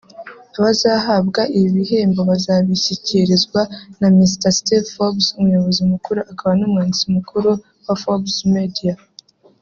Abazahabwa ibi bihembo bazabishyikirizwa na Mr Steve Forbes umuyobozi mukuru akaba n’umwanditsi mukuru wa Forbes Media